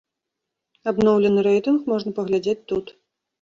Абноўлены рэйтынг можна паглядзець тут.